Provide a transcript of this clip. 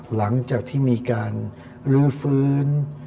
หลังจากที่มีการลื้อฟื้น